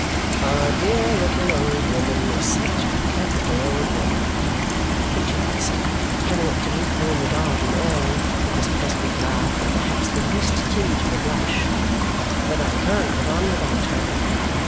"Our dear little old woman is such a capital old woman," Richard would say, coming up to meet me in the garden early, with his pleasant laugh and perhaps the least tinge of a blush, "that I can't get on without her.